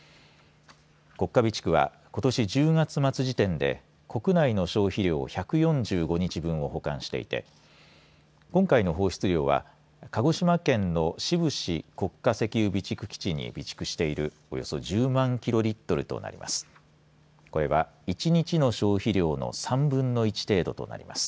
国家備蓄はことし１０月末時点で国内の消費量１４５日分を保管していて今回の放出量は鹿児島県の志布志国家石油備蓄基地に備蓄しているおよそ１０万キロリットルとなります。